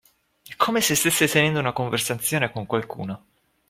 Come se stesse tenendo una conversazione con qualcuno.